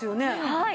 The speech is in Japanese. はい。